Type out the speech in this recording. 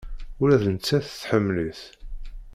Ula d nettat, tḥemmel-it.